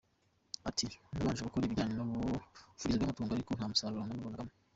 At “ Nabanje gukora ibijyanye n’ubuvuzi bw’amatungo ariko nta musaruro nabibonagamo.